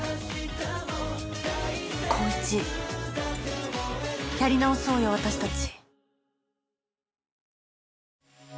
紘一やり直そうよ私たち。